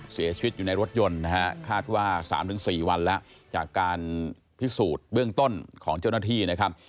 เสียชีวิตอยู่ในรถยนต์นะฮะคาดว่า๓๔วันแล้วจากการพิสูจน์เบื้องต้นของเจ้าหน้าที่นะครับ